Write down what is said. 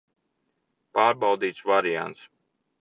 Pārbaudīts variants.